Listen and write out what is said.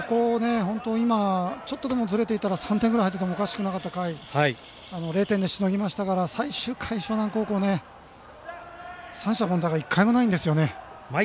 今、ちょっとでもずれてたら３点ぐらい入っていてもおかしくなかった回０点でしのぎましたから最終回、樟南高校は三者凡退が１回もないんです。